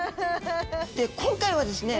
今回はですね